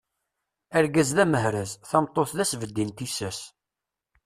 Argaz d amehraz, tameṭṭut d asbeddi n tissas.